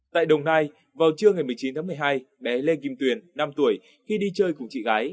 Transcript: tại đồng nai vào trưa ngày một mươi chín tháng một mươi hai bé lê kim tuyền năm tuổi khi đi chơi cùng chị gái